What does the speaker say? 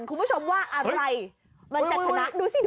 คุณผู้ชมว่าอะไรมันจัดขณะดูสิดูสิ